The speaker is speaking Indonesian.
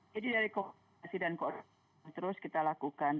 jadi dari komunikasi dan koordinasi yang terus kita lakukan